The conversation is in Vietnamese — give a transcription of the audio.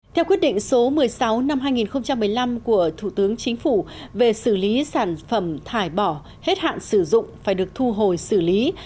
theo quyết định số một mươi sáu năm hai nghìn một mươi năm của thủ tướng chính phủ về xử lý sản phẩm thải bỏ hết hạn sử dụng phải được thu hồi xử lý